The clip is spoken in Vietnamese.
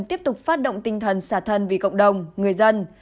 tiếp tục phát động tinh thần xả thân vì cộng đồng người dân